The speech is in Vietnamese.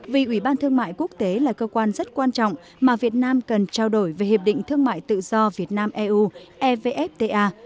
vì ủy ban thương mại quốc tế là cơ quan rất quan trọng mà việt nam cần trao đổi về hiệp định thương mại tự do việt nam eu evfta